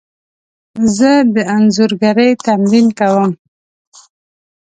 زه د انځورګري تمرین کوم.